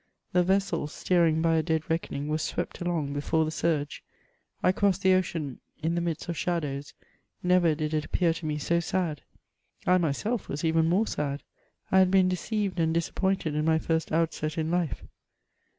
The vessel, steering by a dead reckoning, was swept along before the surge. I crossed the ocean in the midst of shadows ; never did it appear to me so sad. I myself was even more sad; I had been deceived and disappointed in my first outset in life.